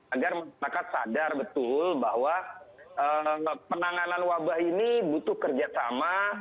agar masyarakat sadar betul bahwa penanganan wabah ini butuh kerjasama